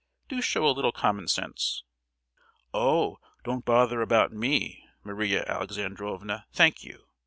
Do show a little common sense!" "Oh, don't bother about me, Maria Alexandrovna, thank you!